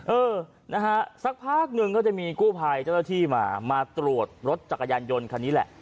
เออนะฮะสักพักหนึ่งก็จะมีกู้ภัยเจ้าหน้าที่มามาตรวจรถจักรยานยนต์คันนี้แหละ